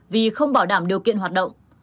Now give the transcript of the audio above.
vì không bảo đảm điều kiện hoạt động